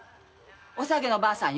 「おさげのばあさん」よ